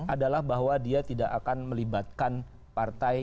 adalah bahwa dia tidak akan melibatkan partai